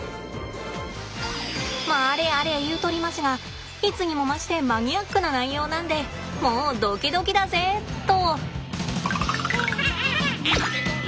まああれあれ言うとりますがいつにも増してマニアックな内容なんでもうドキドキだぜっと。